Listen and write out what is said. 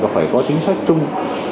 phải có chính sách chung